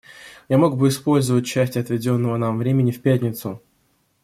Я мог бы использовать часть отведенного нам времени в пятницу.